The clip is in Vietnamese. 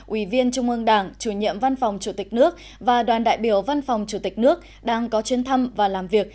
ủy viên trung ương đảng chủ nhiệm văn phòng chủ tịch nước và đoàn đại biểu văn phòng chủ tịch nước đang có chuyến thăm và làm việc